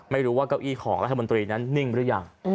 ไม่รู้ว่าเก้าอี้ของรัฐบนตรีนั้นนิ่งหรือยัง